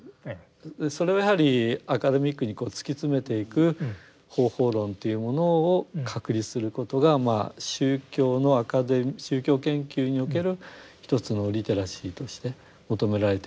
それをやはりアカデミックに突き詰めていく方法論というものを確立することがまあ宗教のアカデミー宗教研究における一つのリテラシーとして求められてるのかなと思っております。